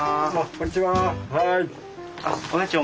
こんにちは。